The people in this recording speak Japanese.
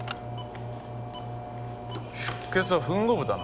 出血は吻合部だな。